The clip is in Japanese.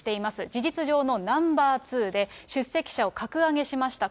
事実上のナンバー２で、出席者を格上げしました。